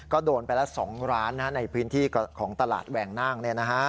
ก็โดนไปละ๒ร้านในพื้นที่ของตลาดแหวงน่าง